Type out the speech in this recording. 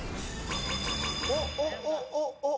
おっおっおっおっおっ